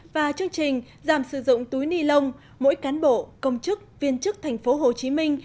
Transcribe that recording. và chương trình giảm sử dụng túi ni lông mỗi cán bộ công chức viên chức thành phố hồ chí minh